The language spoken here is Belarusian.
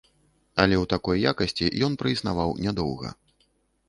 Але ў такой якасці ён праіснаваў нядоўга.